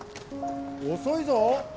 遅いぞ。